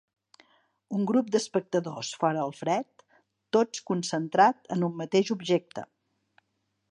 Un grup d'espectadors fora al fred, tots concentrat en un mateix objecte.